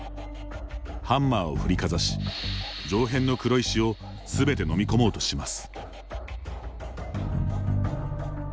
ハンマーを振りかざし上辺の黒石をすべて飲み込もうとします。